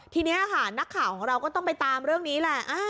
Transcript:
ทีนี้ค่ะนักข่าวของเราก็ต้องไปตามเรื่องนี้แหละ